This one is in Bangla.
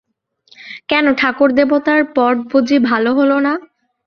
কেন ঠাকুর-দেবতার পট বুঝি ভালো হল না?